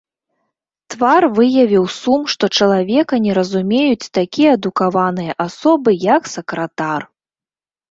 Твар выявіў сум, што чалавека не разумеюць такія адукаваныя асобы, як сакратар.